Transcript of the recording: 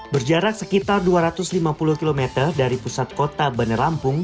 berjarak sekitar dua ratus lima puluh km dari pusat kota bandar lampung